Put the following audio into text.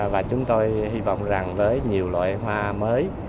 và chúng tôi hy vọng rằng với nhiều loại hoa mới